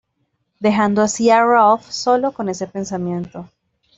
Dejando así a Ralph solo con ese pensamiento.